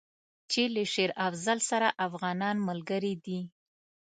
چې له شېر افضل سره افغانان ملګري دي.